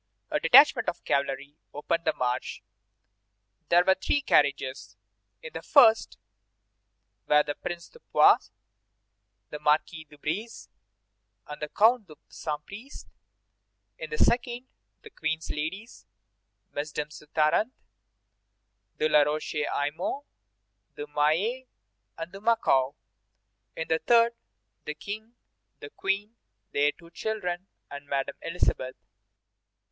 A detachment of cavalry opened the march. There were three carriages. In the first were the Prince de Poix, the Marquis de Brézé, and the Count de Saint Priest; in the second, the Queen's ladies, Mesdames de Tarente, de la Roche Aymon, de Maillé, and de Mackau; in the third, the King, the Queen, their two children, and Madame Elisabeth.